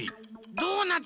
ドーナツ。